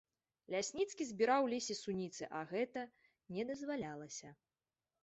Лясніцкі збіраў у лесе суніцы, а гэта не дазвалялася.